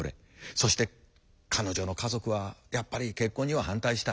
そして彼女の家族はやっぱり結婚には反対した。